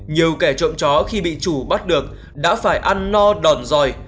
nhiều kẻ trộm chó khi bị chủ bắt được đã phải ăn no đòn dòi